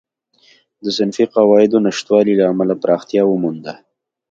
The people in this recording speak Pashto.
د صنفي قواعدو نشتوالي له امله پراختیا ومونده.